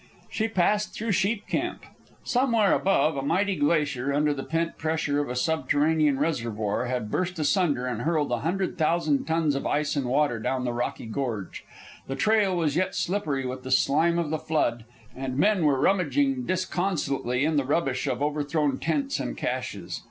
She passed through Sheep Camp. Somewhere above, a mighty glacier, under the pent pressure of a subterranean reservoir, had burst asunder and hurled a hundred thousand tons of ice and water down the rocky gorge. The trail was yet slippery with the slime of the flood, and men were rummaging disconsolately in the rubbish of overthrown tents and caches.